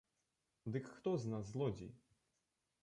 Дык хто з нас злодзей?